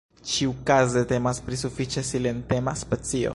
Ĉiukaze temas pri sufiĉe silentema specio.